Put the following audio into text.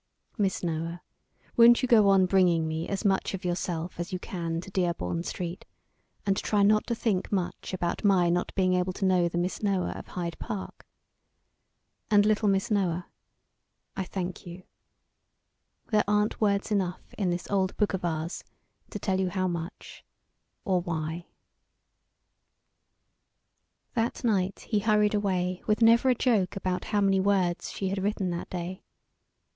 Miss Noah, won't you go on bringing me as much of yourself as you can to Dearborn Street, and try not to think much about my not being able to know the Miss Noah of Hyde Park? And little Miss Noah I thank you. There aren't words enough in this old book of ours to tell you how much or why." That night he hurried away with never a joke about how many words she had written that day.